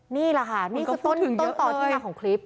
นี่แหละค่ะนี่คือต้นต่อที่มาของคลิป